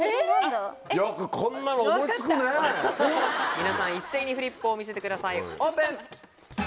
皆さん一斉にフリップを見せてくださいオープン！